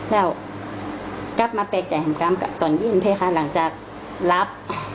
แล้วกลับมาแปลกใจห่างกามกับตอนเย็นเพลย์ค่ะหลังจากรับ